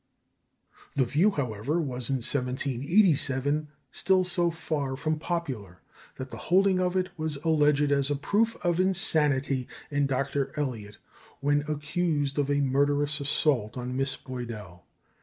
The view, however, was in 1787 still so far from popular, that the holding of it was alleged as a proof of insanity in Dr. Elliot when accused of a murderous assault on Miss Boydell.